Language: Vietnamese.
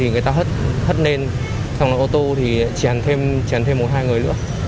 người ta hất lên xong rồi ô tô thì chèn thêm một hai người nữa